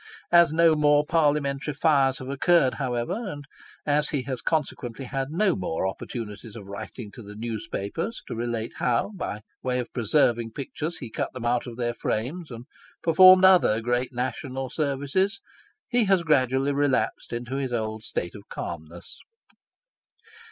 As no more parliamentary fires have occurred, however, and as he has consequently had no more opportunities of writing to the newspapers to relate how, by way of preserving pictures he cut them out of their frames, and performed other great national services, he has gradually relapsed into his old state of calmness.